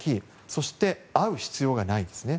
そして会う必要がないんですね。